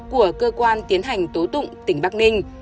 của cơ quan tiến hành tố tụng tỉnh bắc ninh